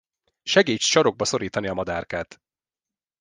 Segíts sarokba szorítani a madárkát!